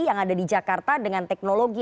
yang ada di jakarta dengan teknologi